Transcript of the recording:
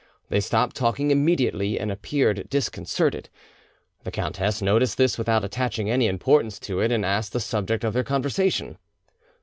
They stopped talking immediately, and appeared disconcerted. The countess noticed this without attaching any importance to it, and asked the subject of their conversation.